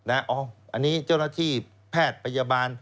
อันนี้เจ้าหน้าที่แพทย์พยาบาล